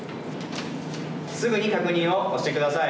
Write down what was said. すぐに確認を押してください。